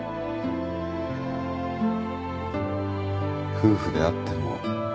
夫婦であっても。